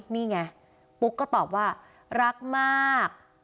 นี่ไงปุ๊กก็ตอบว่ารักมาก